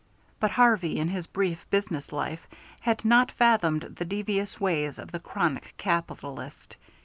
But Harvey in his brief business life had not fathomed the devious ways of the chronic capitalist.